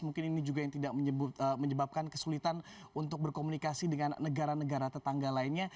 mungkin ini juga yang tidak menyebabkan kesulitan untuk berkomunikasi dengan negara negara tetangga lainnya